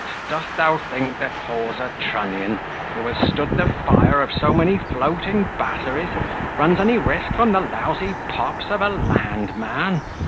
dost thou think that Hawser Trunnion, who has stood the fire of so many floating batteries, runs any risk from the lousy pops of a landman?